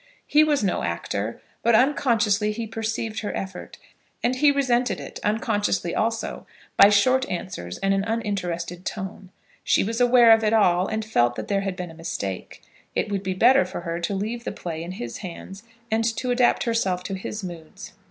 He was no actor, but unconsciously he perceived her effort; and he resented it, unconsciously also, by short answers and an uninterested tone. She was aware of it all, and felt that there had been a mistake. It would be better for her to leave the play in his hands, and to adapt herself to his moods.